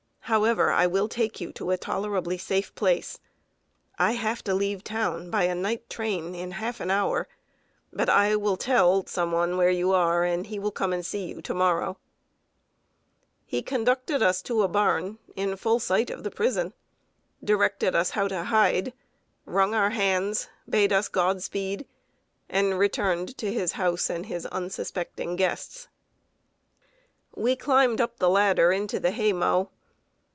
However, I will take you to a tolerably safe place. I have to leave town by a night train in half an hour, but I will tell where you are, and he will come and see you to morrow." [Sidenote: HIDING IN SIGHT OF THE PRISON.] He conducted us to a barn, in full sight of the prison; directed us how to hide, wrung our hands, bade us Godspeed, and returned to his house and his unsuspecting guests. We climbed up the ladder into the hay mow.